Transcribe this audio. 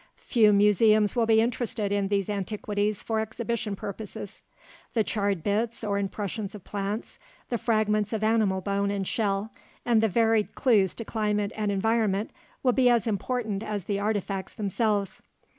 Few museums will be interested in these antiquities for exhibition purposes. The charred bits or impressions of plants, the fragments of animal bone and shell, and the varied clues to climate and environment will be as important as the artifacts themselves.